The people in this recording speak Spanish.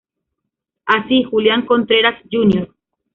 Así, Julián Contreras Jr.